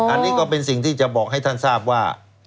อันนี้ก็เป็นสิ่งที่จะบอกให้ท่านทราบว่า